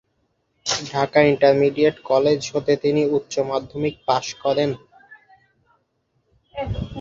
Dhaka intermediate college হতে তিনি উচ্চ মাধ্যমিক পাশ করেন।